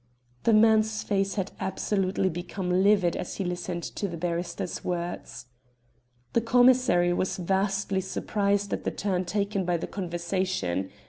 The man's face had absolutely become livid as he listened to the barrister's words. The commissary was vastly surprised at the turn taken by the conversation.